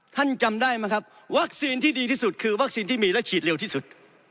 จำได้ไหมครับวัคซีนที่ดีที่สุดคือวัคซีนที่มีและฉีดเร็วที่สุด